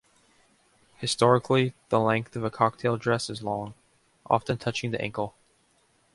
Historically the length of a cocktail dress is long, often touching the ankle.